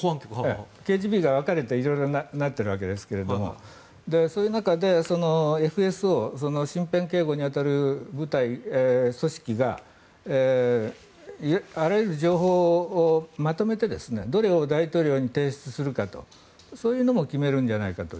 ＫＧＢが分かれて色々なってるわけですがそういう中でＦＳＯ、身辺警護に当たる組織があらゆる情報をまとめてどれを大統領に提出するかそういうのも決めるんじゃないかと。